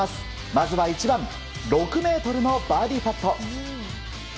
まずは１番６ｍのバーディーパット。